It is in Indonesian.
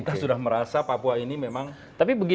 jadi saya merasa papua ini memang ketinggalan